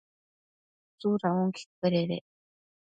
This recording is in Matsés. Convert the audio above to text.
¿tsuda onquecuededec?